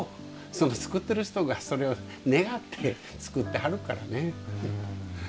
その作ってる人がそれを願って作ってはるからね。